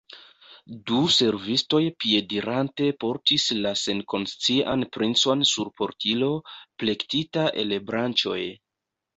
Du servistoj piedirante portis la senkonscian princon sur portilo, plektita el branĉoj.